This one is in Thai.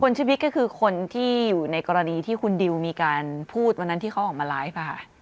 ชีวิตก็คือคนที่อยู่ในกรณีที่คุณดิวมีการพูดวันนั้นที่เขาออกมาไลฟ์ค่ะ